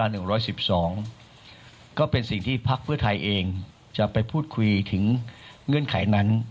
มาตรา๑๑๒ก็เป็นสิ่งที่พักเพื่อไทยเองจะไปพูดคุยถึงเงื่อนไขนั้น